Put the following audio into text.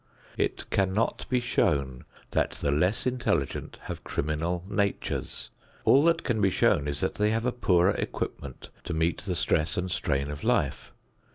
It cannot be shown that the less intelligent have criminal natures. All that can be shown is that they have a poorer equipment to meet the stress and strain of life.